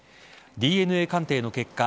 ＤＮＡ鑑定の結果